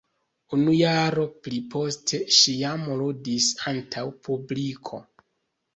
Unu jaro pliposte ŝi jam ludis antaŭ publiko.